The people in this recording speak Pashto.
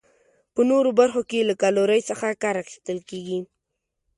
په نورو برخو کې له کالورۍ څخه کار اخیستل کیږي.